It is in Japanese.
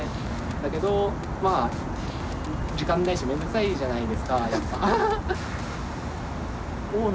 だけどまあ時間ないし面倒くさいじゃないですかやっぱ。